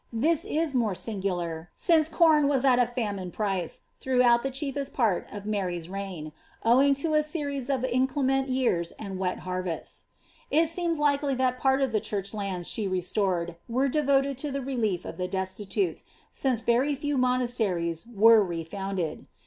This b more suigular, since com was at famine price,' throughout the chief part of Mary's reign, owing to a series of inclement years and wet harvests. It seems likely that part of the church lands she restored, were devoted to the reher of the destitute, since very few monasteries were re fouiided.